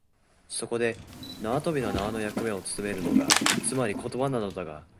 そこで縄跳びの縄の役目をつとめるのが、つまり言葉なのだが、